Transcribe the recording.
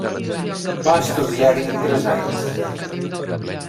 Va estudiar-hi tres anys.